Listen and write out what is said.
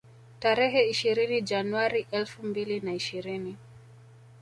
Tarehe ishirini Januari elfu mbili na ishirini